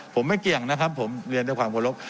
ผมไม่เกี่ยงนะครับผมเรียนด้วยความเคารพ